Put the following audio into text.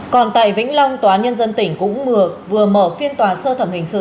còn tại vĩnh long tòa nhân dân tỉnh cũng vừa mở phiên tòa sơ thẩm hình sự